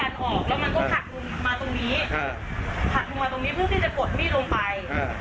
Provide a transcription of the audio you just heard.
ออกแล้วมันก็หักลงมาตรงนี้หักลงมาตรงนี้เพื่อที่จะกดมีดลงไป